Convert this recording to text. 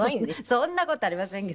そんな事ありませんけど。